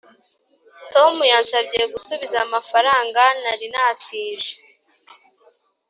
tom yansabye gusubiza amafaranga nari natije.